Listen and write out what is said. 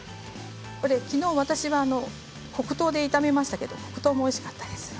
きのう私は黒糖で炒めましたけれども黒糖もおいしかったです。